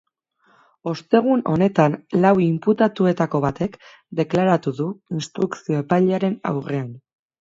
Ostegun honetan lau inputatuetako batek deklaratu du instrukzio epailearen aurrean.